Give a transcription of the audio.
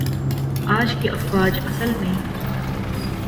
آج کی افواج اصل میں